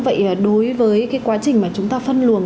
vậy đối với cái quá trình mà chúng ta phân luồng